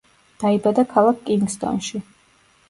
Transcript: დაიბადა ქალაქ კინგსტონში.